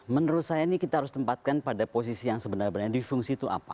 menurut saya ini kita harus tempatkan pada posisi yang sebenarnya difungsi itu apa